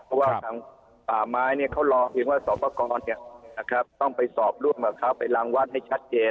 เพราะว่าทางป่าไม้เขารอเพียงว่าสอบประกอบต้องไปสอบร่วมกับเขาไปรังวัดให้ชัดเจน